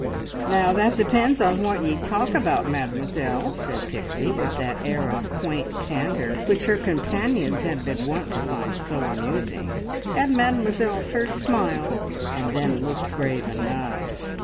"Now that depends upon what ye talk about, Mademoiselle," said Pixie, with that air of quaint candour which her companions had been wont to find so amusing; and Mademoiselle first smiled, and then looked grave enough.